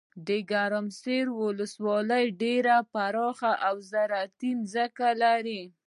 ګرمسیرولسوالۍ ډیره پراخه اوزراعتي ځمکي لري.